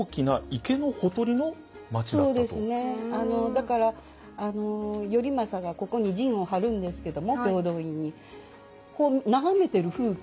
だから頼政がここに陣を張るんですけども平等院に。